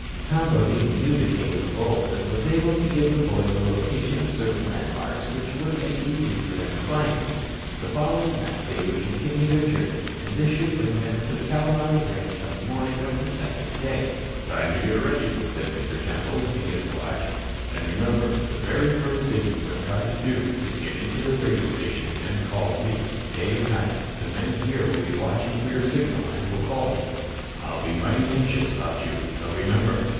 Tom Bodine knew the cave of old and was able to give the boys the location of certain landmarks which would make it easy for them to find it. The following night they would continue their journey, and this should bring them to the Calomares ranch on the morning of the second day. "Time to get ready," said Mr. Temple, looking at his watch. "And, remember, the very first thing you must try to do is to get into their radio station and call me. Day or night, the men here will be watching for your signal and will call me. I'll be mighty anxious about you. So remember."